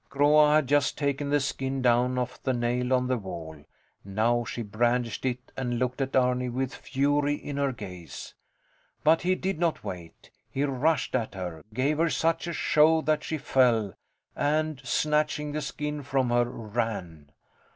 Groa had just taken the skin down off the nail on the wall. Now she brandished it and looked at Arni with fury in her gaze. But he did not wait. He rushed at her, gave her such a shove that she fell, and, snatching the skin from her, ran.